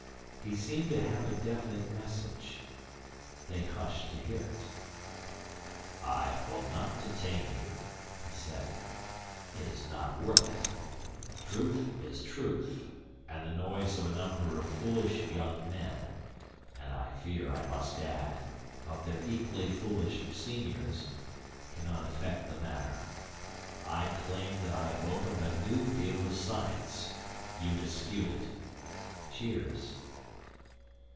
He seemed to have a definite message. They hushed to hear it. "I will not detain you," he said. "It is not worth it. Truth is truth, and the noise of a number of foolish young men and, I fear I must add, of their equally foolish seniors cannot affect the matter. I claim that I have opened a new field of science. You dispute it." (Cheers.)